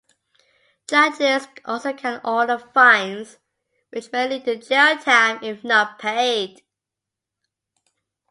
Judges also can order fines, which may lead to jail time if not paid.